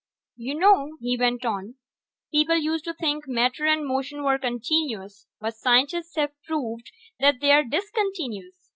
"You know," he went on, "people used to think matter and motion were continuous, but scientists have proved that they are discontinuous.